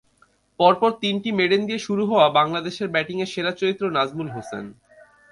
পরপর তিনটি মেডেন দিয়ে শুরু হওয়া বাংলাদেশের ব্যাটিংয়ের সেরা চরিত্র নাজমুল হোসেন।